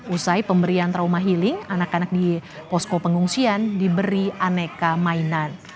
usai pemberian trauma healing anak anak di posko pengungsian diberi aneka mainan